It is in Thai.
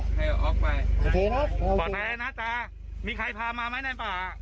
ลูกชายแจ้งตำรวจและกู้ภัย